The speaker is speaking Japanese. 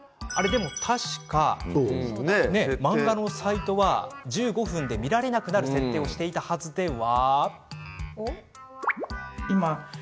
でも確か漫画のサイトは１５分で見られなくなる設定をしていたはずでは？